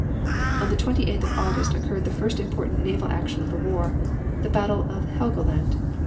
On the 28th of August occurred the first important naval action of the war, the battle of Helgoland.